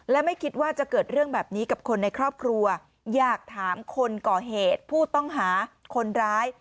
และไม่คิดว่าจะเกิดเรื่องแบบนี้กับคนในครอบครัวอยากถามคนก่อเหตุผู้ต้องหาคนร้าย